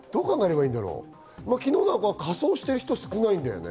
昨日は仮装してる人は少ないんだよね。